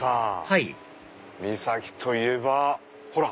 はい三崎といえばほら！